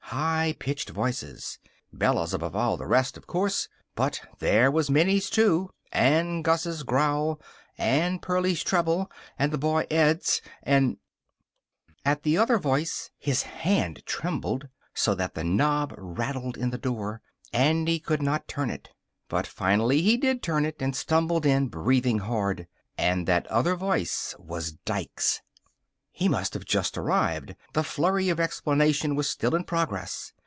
High pitched voices. Bella's above all the rest, of course, but there was Minnie's too, and Gus's growl, and Pearlie's treble, and the boy Ed's and At the other voice his hand trembled so that the knob rattled in the door, and he could not turn it. But finally he did turn it, and stumbled in, breathing hard. And that other voice was Dike's. He must have just arrived. The flurry of explanation was still in progress.